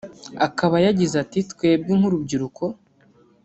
Akaba yagize ati “Twebwe nk’urubyiruko